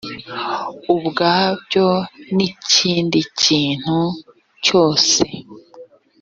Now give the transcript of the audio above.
ubwabyo n ikindi kintu cyose